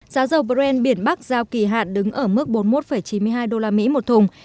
giá dầu brand biển bắc giao kỳ hạn đứng ở mức bốn mươi một chín mươi hai đô la mỹ một thùng